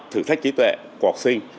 thử thách trí tuệ của học sinh